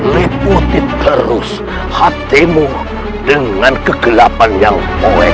liputin terus hatimu dengan kegelapan yang moek